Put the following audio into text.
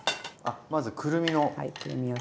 まずくるみを。